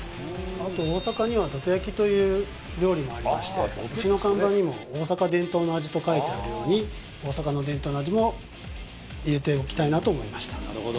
あと大阪には土手焼きという料理もありましてうちの看板にも「大阪伝統の味」と書いてあるように大阪の伝統の味も入れておきたいなと思いました